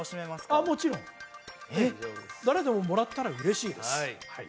ああもちろん誰でももらったら嬉しいです